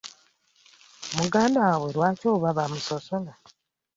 Muganda waabwe lwaki oba bamusosola?